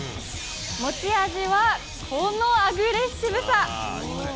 持ち味はこのアグレッシブさ。